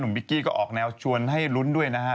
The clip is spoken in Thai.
บิ๊กกี้ก็ออกแนวชวนให้ลุ้นด้วยนะฮะ